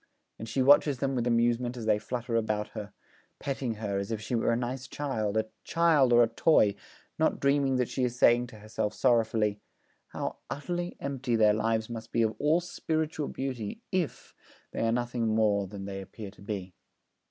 And she watches them with amusement as they flutter about her, petting her as if she were a nice child, a child or a toy, not dreaming that she is saying to herself sorrowfully: 'How utterly empty their lives must be of all spiritual beauty if they are nothing more than they appear to be.'